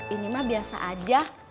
ini mah biasa aja